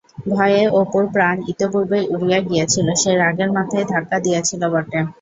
ভয়ে অপুর প্রাণ ইতিপূর্বেই উড়িয়া গিয়াছিল, সে রাগের মাথায় ধাক্কা দিয়াছিল বটে।